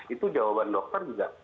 itu jawaban dokter juga